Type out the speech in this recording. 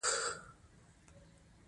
خپل وخت په بې ځایه خبرو مه ضایع کوئ.